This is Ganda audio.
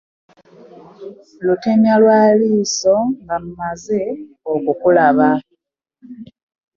Lutemya lwa liiso nga mmaze okukulaba.